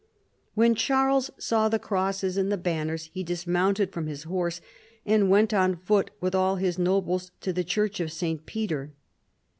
When Charles saw the crosses and the banners he dismounted from his horse and went on foot Avith all his nobles to the church of St. Peter.